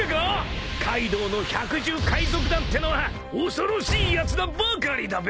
［カイドウの百獣海賊団ってのは恐ろしいやつらばかりだべ］